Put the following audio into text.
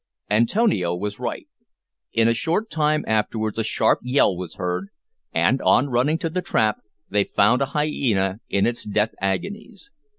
Antonio was right. In a short time afterwards a sharp yell was heard, and, on running to the trap, they found a hyena in its death agonies.